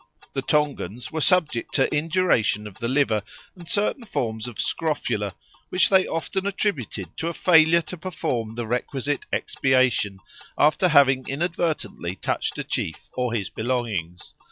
The Tongans were subject to induration of the liver and certain forms of scrofula, which they often attributed to a failure to perform the requisite expiation after having inadvertently touched a chief or his belongings.